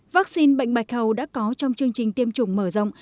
vắc xin bệnh bạch hầu đã có trong chương trình tiêm chủng mở rộng